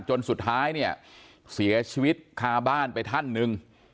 จนสุดท้ายเนี่ยเสียชีวิตคาบ้านไปท่านหนึ่ง